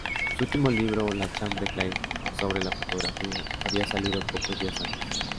Su último libro "La chambre claire", sobre la fotografía, había salido pocos días antes.